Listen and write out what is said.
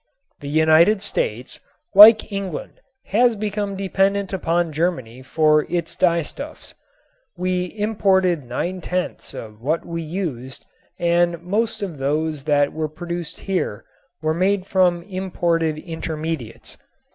The United States, like England, had become dependent upon Germany for its dyestuffs. We imported nine tenths of what we used and most of those that were produced here were made from imported intermediates.